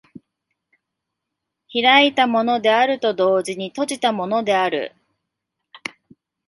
開いたものであると同時に閉じたものである。